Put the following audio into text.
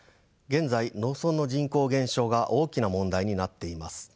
現在農村の人口減少が大きな問題になっています。